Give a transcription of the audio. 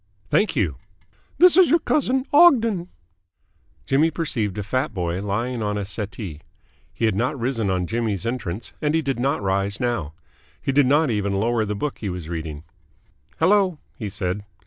"Thank you." "This is your cousin, Ogden." Jimmy perceived a fat boy lying on a settee. He had not risen on Jimmy's entrance, and he did not rise now. He did not even lower the book he was reading. "Hello," he said.